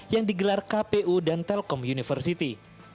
yang digelar kpu dan telkom university